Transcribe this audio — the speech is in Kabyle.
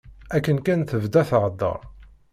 Akken kan tebda thedder.